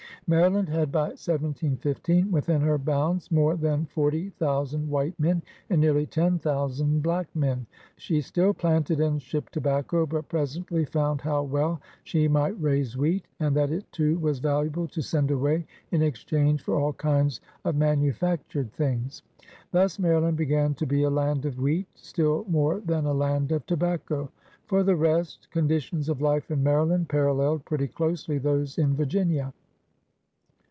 Maryland had by 1715 within her bounds more than forty thousand white men and nearly ten thousand black men. She still planted and shipped tobacco, but presently found how well she might raise wheat, and that it, too, was valuable to send away in exchange for all kinds of manu factured things. Thus Maryland b^an to be a land of wheat still more than a land of tobacco. REBELLION AND CHANGE 197 For the rest, conditions of life in Maryland paralleled pretty closely those in Virginia.